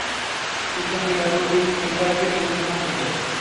কিন্তু আমি লক্ষ্য করছি, তোমরা একটি মূর্খ সম্প্রদায়।